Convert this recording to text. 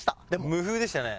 無風でしたね。